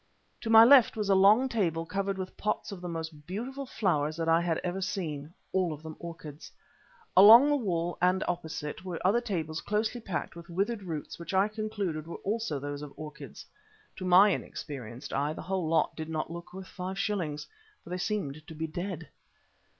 To my left was a long table covered with pots of the most beautiful flowers that I had ever seen; all of them orchids. Along the wall and opposite were other tables closely packed with withered roots which I concluded were also those of orchids. To my inexperienced eye the whole lot did not look worth five shillings, for they seemed to be dead.